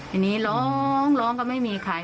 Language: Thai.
อันนี้ร้องก็ไม่มีใคร